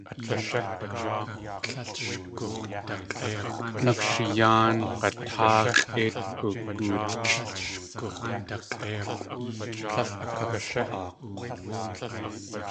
Nukshiyáan g̲aatáa x̲ʼéit ugootch.